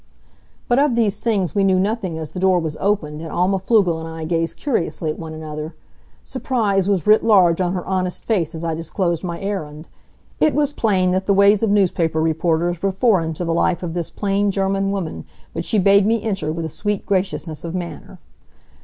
But of these things we knew nothing as the door was opened and Alma Pflugel and I gazed curiously at one another. Surprise was writ large on her honest face as I disclosed my errand. It was plain that the ways of newspaper reporters were foreign to the life of this plain German woman, but she bade me enter with a sweet graciousness of manner.